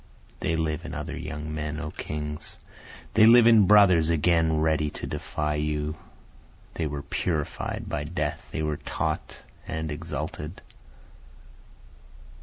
They live in other young men O kings! They live in brothers again ready to defy you, They were purified by death, they were taught and exalted.